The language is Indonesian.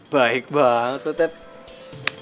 baik banget lo ted